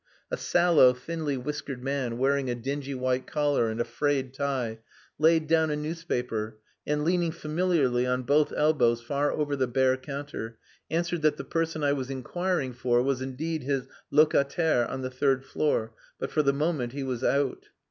A sallow, thinly whiskered man, wearing a dingy white collar and a frayed tie, laid down a newspaper, and, leaning familiarly on both elbows far over the bare counter, answered that the person I was inquiring for was indeed his locataire on the third floor, but that for the moment he was out.